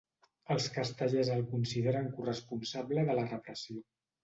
Els castellers el consideren corresponsable de la repressió.